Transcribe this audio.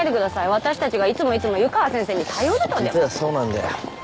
私たちがいつもいつも湯川先生に頼るとでも実はそうなんだよ